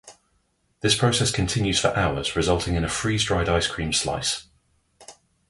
This process continues for hours, resulting in a freeze-dried ice cream slice.